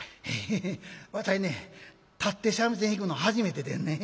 ヘヘヘわたいね立って三味線弾くの初めてでんねん。